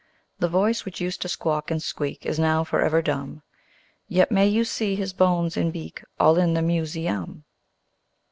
The voice which used to squawk and squeak Is now for ever dumb Yet may you see his bones and beak All in the Mu se um.